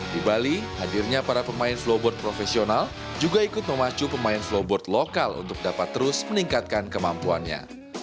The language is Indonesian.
di bali hadirnya para pemain flowboard profesional juga ikut memacu pemain flowboard lokal untuk dapat terus meningkatkan kemampuannya